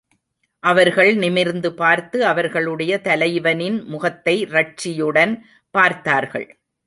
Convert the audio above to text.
அவர்கள் நிமிர்ந்து பார்த்து, அவர்களுடைய தலைவனின் முகத்தை ரட்சியுடன் பார்த்தார்கள்.